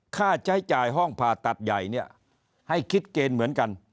ค่าใช้จ่ายห้องผ่าตัดใหญ่เนี่ยให้คิดเกณฑ์เหมือนกัน